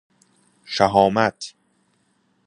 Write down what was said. شﮩامت